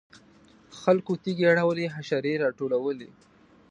خلکو تیږې اړولې حشرې راټولولې.